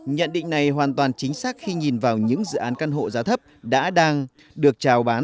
nhận định này hoàn toàn chính xác khi nhìn vào những dự án căn hộ giá thấp đã đang được trào bán